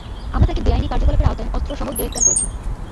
আমরা তাকে বেআইনি কার্যকলাপের আওতায় অস্ত্রসহ গ্রেফতার করেছি।